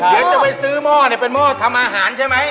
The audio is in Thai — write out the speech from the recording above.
เดี๋ยวจะไปซื้อหม้อเนี่ยเป็นหม้อทำอาหารใช่ไหม